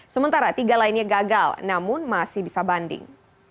sementara tiga lainnya gagal namun masih bisa banding